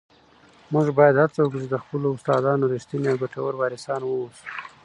موږ باید هڅه وکړو چي د خپلو استادانو رښتیني او ګټور وارثان واوسو.